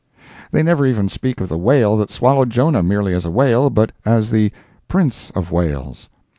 They never even speak of the whale that swallowed Jonah merely as a whale, but as the Prince of Wales.